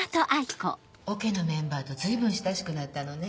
オケのメンバーと随分親しくなったのね。